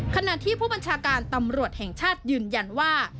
ขณะที่ผู้บัญชาการตำรวจแห่งชาติยืนยันว่า